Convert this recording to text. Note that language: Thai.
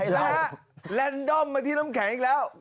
และแรนดอมมาที่ร่ำแขกอีกแล้ว